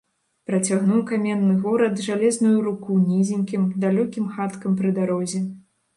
Працягнуў каменны горад жалезную руку нізенькім, далёкім хаткам пры дарозе.